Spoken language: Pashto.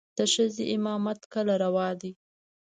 د ښځې امامت کله روا دى.